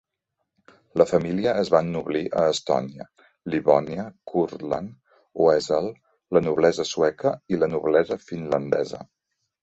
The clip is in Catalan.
La família es va ennoblir a Estònia, Livònia, Curland, Oesel, la noblesa sueca i la noblesa finlandesa.